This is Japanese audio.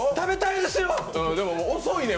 でも遅いねん。